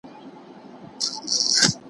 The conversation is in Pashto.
مرتد ته هم په شریعت کي سزا ورکول کېږي.